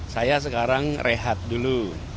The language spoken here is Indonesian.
saya sekarang rehat dulu